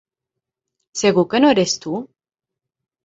¿Segur que no eres tu?